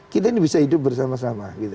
kita ini bisa hidup bersama sama